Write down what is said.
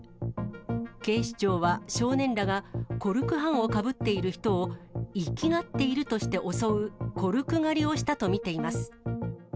警視庁は少年らがコルク半をかぶっている人を、いきがっているとして襲う、コルク狩りをしたと見ています。